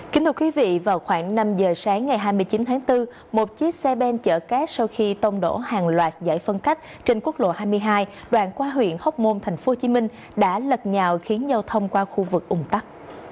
kính thưa quý vị vào khoảng năm giờ sáng ngày hai mươi chín tháng bốn một chiếc xe ben chở cát sau khi tông đổ hàng loạt giải phân cách trên quốc lộ hai mươi hai đoạn qua huyện hóc môn tp hcm đã lật nhào khiến giao thông qua khu vực ủng tắc